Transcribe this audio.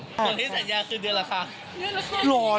ส่วนที่สัญญาคือเดือนละครั้ง